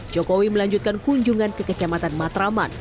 jokowi melanjutkan kunjungan ke kecamatan matraman